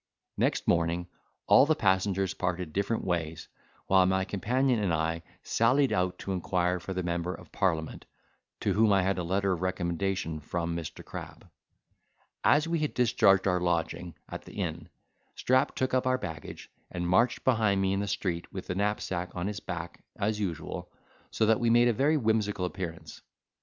Next morning all the passengers parted different ways, while my companion and I sallied out to inquire for the member of parliament, to whom I had a letter of recommendation from Mr. Crab. As we had discharged our lodging at the inn, Strap took up our baggage and, marched behind me in the street with the knapsack on his back, as usual, so that we made a very whimsical appearance.